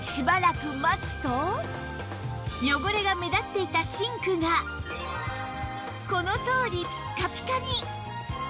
汚れが目立っていたシンクがこのとおりピッカピカに！